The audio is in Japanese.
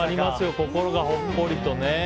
心がほっこりとね。